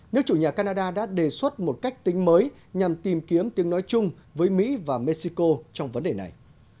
nước chủ nhà canada đã đề xuất một cách tính mới nhằm tìm kiếm tiếng nói chung với mỹ và mexico trong vấn đề này